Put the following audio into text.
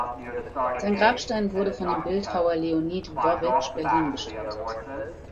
Sein Grabstein wurde von dem Bildhauer Leonid Lwowitsch Berlin gestaltet.